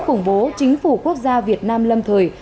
khủng bố chính phủ quốc gia việt nam lâm thời